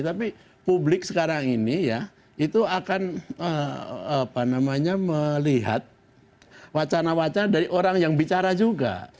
tapi publik sekarang ini ya itu akan melihat wacana wacana dari orang yang bicara juga